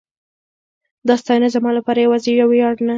دا ستاینه زما لپاره یواځې یو ویاړ نه